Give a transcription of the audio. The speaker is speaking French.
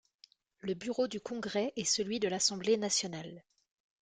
Le bureau du Congrès est celui de l'Assemblée nationale.